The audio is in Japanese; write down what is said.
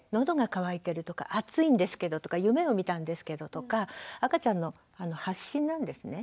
喉が渇いてるとか暑いんですけどとか夢を見たんですけどとか赤ちゃんの発信なんですね。